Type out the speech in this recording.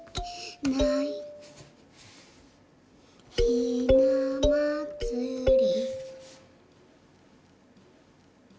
「ひなまつり」